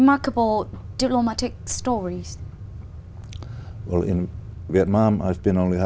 mình là lan anh